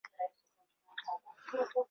Wako China na Mongolia.